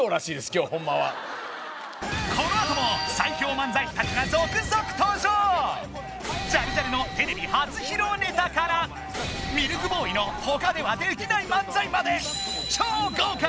今日ホンマはこのあともジャルジャルのテレビ初披露ネタからミルクボーイの他ではできない漫才まで超豪華！